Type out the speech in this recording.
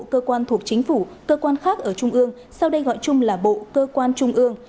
cơ quan thuộc chính phủ cơ quan khác ở trung ương sau đây gọi chung là bộ cơ quan trung ương